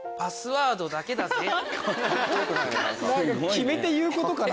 キメて言うことかな？